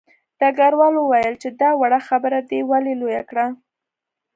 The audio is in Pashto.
ډګروال وویل چې دا وړه خبره دې ولې لویه کړه